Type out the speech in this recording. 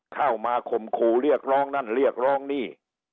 เข้ามาข่มขู่เรียกร้องนั่นเรียกร้องหนี้